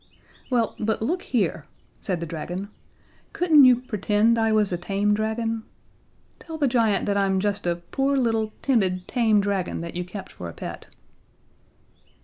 "Well, but look here," said the dragon, "couldn't you pretend I was a tame dragon? Tell the giant that I'm just a poor little timid tame dragon that you kept for a pet."